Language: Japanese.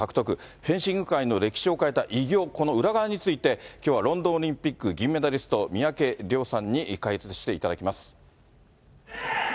フェンシング界の歴史を変えた偉業、この裏側について、きょうはロンドンオリンピック銀メダリスト、三宅諒さんに解説していただきます。